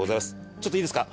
ちょっといいですか？